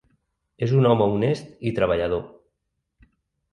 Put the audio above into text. És un home honest i treballador.